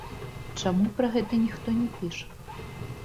Чаму пра гэта ніхто не піша?